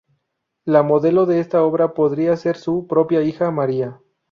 La modelo de esta obra podría ser su propia hija María.